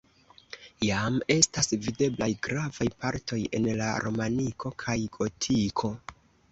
Jam estas videblaj gravaj partoj en la romaniko kaj gotiko.